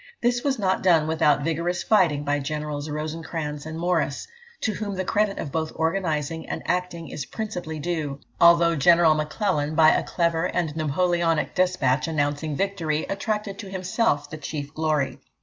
This was not done without vigorous fighting by Generals Rosencranz and Morris, to whom the credit of both organising and acting is principally due, although General M'Clellan, by a clever and Napoleonic despatch, announcing victory, attracted to himself the chief glory.